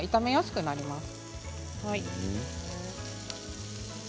あと炒めやすくなります。